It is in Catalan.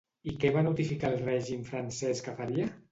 I què va notificar el règim francès que faria?